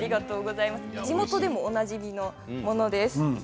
地元でおなじみのものです。